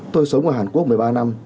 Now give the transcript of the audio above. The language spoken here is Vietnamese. tôi sống ở hàn quốc một mươi ba năm